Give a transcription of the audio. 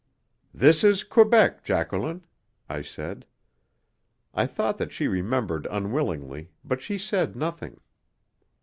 "This is Quebec, Jacqueline," I said. I thought that she remembered unwillingly, but she said nothing.